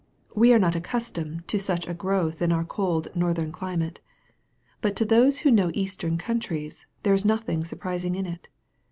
We are not accustomed to such a growth in our cold northern climate. But to those who know eastern countries, there is nothing surprising in it.